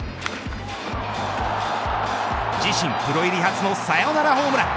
自身プロ入り初のサヨナラホームラン。